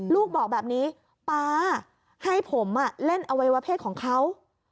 ลูกบอกแบบนี้ป๊าให้ผมเล่นอวัยวะเพศของเขา